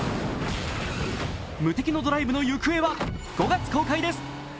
無敵のドライブの行方は、５月公開です。